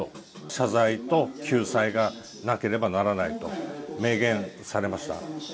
謝罪と救済がなければならないと、明言されました。